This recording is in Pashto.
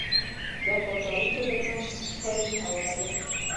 د کار کوونکو ترمنځ شخړې هوارول،